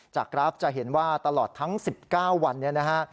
กราฟจะเห็นว่าตลอดทั้ง๑๙วันนี้นะฮะ